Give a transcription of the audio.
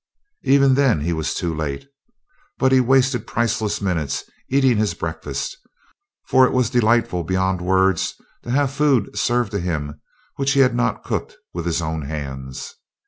Even then he was too late, but he wasted priceless minutes eating his breakfast, for it was delightful beyond words to have food served to him which he had not cooked with his own hands.